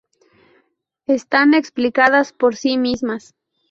Están explicadas por sí mismas.